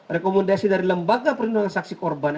rekomendasi dari lembaga perlindungan saksi korban